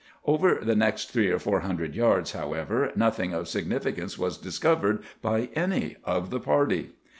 Over the next three or four hundred yards, however, nothing of significance was discovered by any of the party.